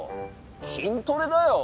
筋トレだよ。